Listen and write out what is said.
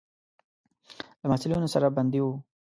له محصلینو سره بندي وو.